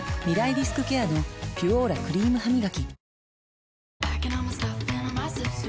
リスクケアの「ピュオーラ」クリームハミガキ